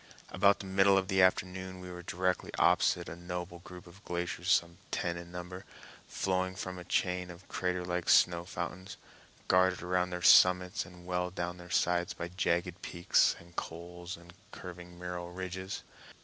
About the middle of the afternoon we were directly opposite a noble group of glaciers some ten in number, flowing from a chain of crater like snow fountains, guarded around their summits and well down their sides by jagged peaks and cols and curving mural ridges.